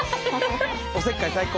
おせっかい最高。